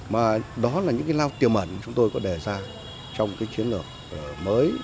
mà đó là những cái lao tiềm ẩn chúng tôi có đề ra trong cái chiến lược mới